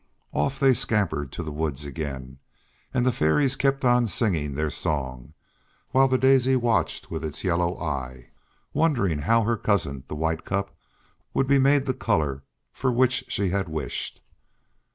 Off they scampered to the woods again, and the Fairies kept on singing their song, while the Daisy watched with its yellow eye, wondering how her cousin, the White Cup, would be made the color for which she had wished.